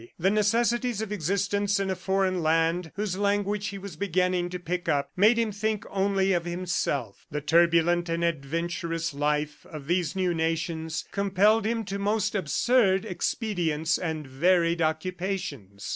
The necessities of existence in a foreign land whose language he was beginning to pick up made him think only of himself. The turbulent and adventurous life of these new nations compelled him to most absurd expedients and varied occupations.